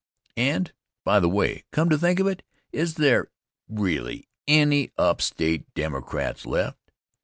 And, by the way, come to think of it, is there really any upstate Democrats left?